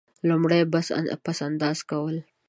لومړی: پس انداز کول.